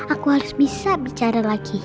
aku harus bisa bicara lagi